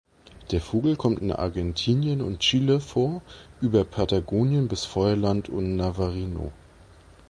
Der Vogel kommt in Argentinien und Chile vor über Patagonien bis Feuerland und Navarino.